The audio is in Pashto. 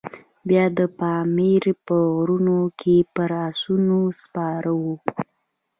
بیا د پامیر په غرونو کې پر آسونو سپاره وو.